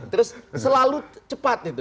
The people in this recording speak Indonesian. terus selalu cepat itu